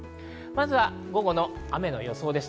まずは午後の雨の予想です。